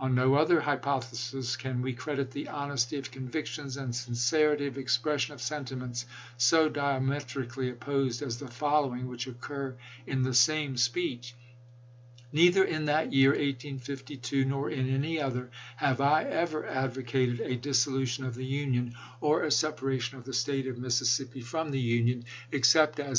On no other hy pothesis can we credit the honesty of convictions and sincerity of expression of sentiments so dia metrically opposed as the following, which occur in the same speech : Neither in that year , nor in any other, have I ever advocated a dissolution of the Union, or a separa THE MONTGOMERY CONFEDERACY 211 tion of the State of Mississippi from the Union, except as chap.